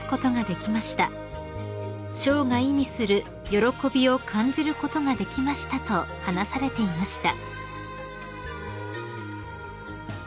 「ショーが意味する喜びを感じることができました」と話されていました］